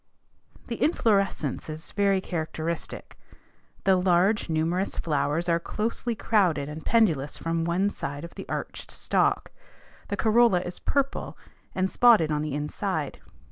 The inflorescence is very characteristic. The large, numerous flowers are closely crowded and pendulous from one side of the arched stalk. The corolla is purple and spotted on the inside.